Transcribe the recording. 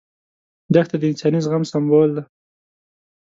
دښته د انساني زغم سمبول ده.